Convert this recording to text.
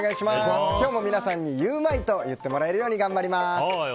今日も皆さんにゆウマいと言ってもらえるように頑張ります！